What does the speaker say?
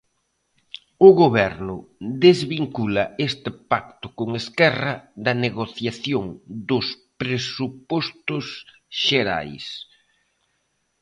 O Goberno desvincula este pacto con Esquerra da negociación dos presupostos xerais.